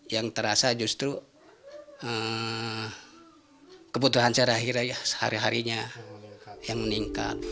yang terasa justru kebutuhan sehari harinya yang meningkat